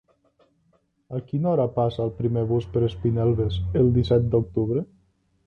A quina hora passa el primer autobús per Espinelves el disset d'octubre?